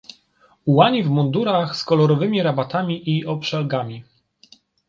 Ułani w mundurach z kolorowymi rabatami i obszlegami.